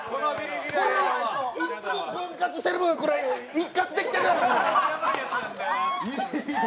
いつも分割してる分一気にきてるやろ！